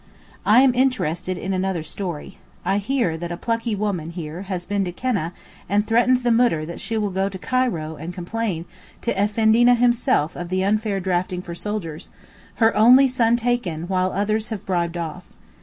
I am interested in another story. I hear that a plucky woman here has been to Keneh, and threatened the Moudir that she will go to Cairo and complain to Effendina himself of the unfair drafting for soldiers—her only son taken, while others have bribed off.